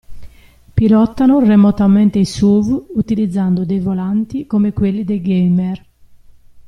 Pilotano remotamente i SUV utilizzando dei volanti come quelli dei gamer.